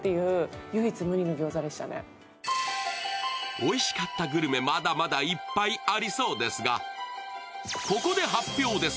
おいしかったグルメまだまだいっぱいありそうですが、ここで発表です。